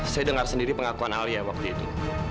saya dengar sendiri pengakuan alia waktu itu